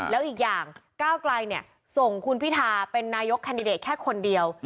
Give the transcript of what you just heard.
แล้วอีกอย่างก้าวไกลส่งคุณพิทาเป็นนายกแคนดิเดตแค่คนเดียว